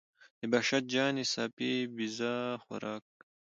د بهشته جانې صافی پیزا خوراک.